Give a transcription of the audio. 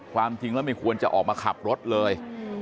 ความจริงแล้วไม่ควรจะออกมาขับรถเลย